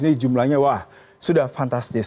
ini jumlahnya wah sudah fantastis